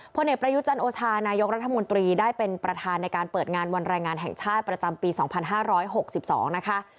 ผลเอกประยุจันโอชานายกรัฐมนตรีได้เป็นประธานในการเปิดงานวันแรงงานแห่งชาติประจำปี๒๕๖๒นะคะ